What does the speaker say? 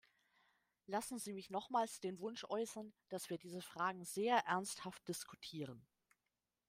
Lassen Sie mich nochmals den Wunsch äußern, dass wir diese Fragen sehr ernsthaft diskutieren.